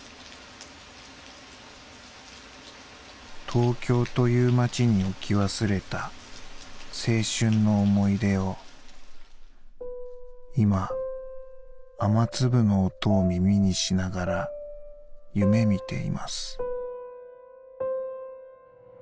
「トーキョーという街に置き忘れた青春の思い出を今雨粒の音を耳にしながら夢見ています」。